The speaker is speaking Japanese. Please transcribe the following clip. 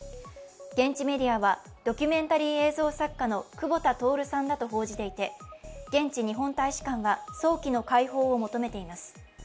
現地メディアはドキュメンタリー映像作家の久保田徹さんだと報じていて現地日本大使館は早期の解放を求めています。